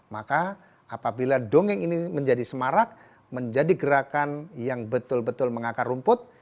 maka apabila dongeng ini menjadi semarak menjadi gerakan yang betul betul mengakar rumput